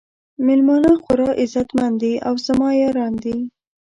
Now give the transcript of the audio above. میلمانه خورا عزت مند دي او زما یاران دي.